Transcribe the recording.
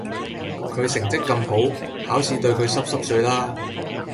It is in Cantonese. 佢成績咁好，考試對佢濕濕碎啦